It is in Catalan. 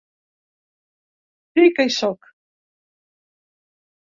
Sí que hi sóc.